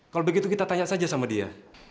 kalau begitu kita tanya saja sama dia